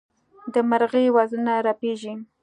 د مرغۍ وزرونه رپېږي.